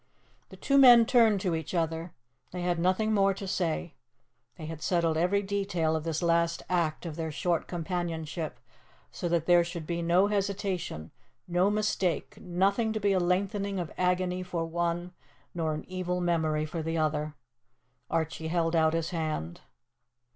The two men turned to each other; they had nothing more to say. They had settled every detail of this last act of their short companionship, so that there should be no hesitation, no mistake, nothing to be a lengthening of agony for one, nor an evil memory for the other. Archie held out his hand.